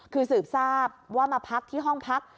คือสืบทราบว่ามาพักที่ห้องพัก